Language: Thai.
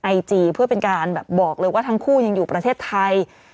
ไอจีเพื่อเป็นการแบบบอกเลยว่าทั้งคู่ยังอยู่ประเทศไทย